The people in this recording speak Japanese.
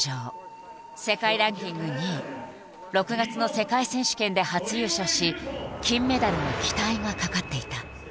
世界ランキング２位６月の世界選手権で初優勝し金メダルの期待がかかっていた。